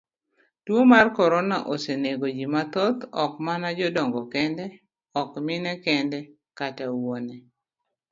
Tuo mar korona osenegoji mathoth ok mana jodongo kende, ok mine kende kata wuone.